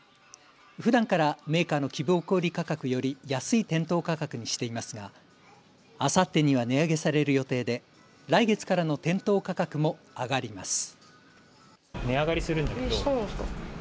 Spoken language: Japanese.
ふだんからメーカーの希望小売価格より安い店頭価格にしていますがあさってには値上げされる予定で来月からの店頭価格も上がります。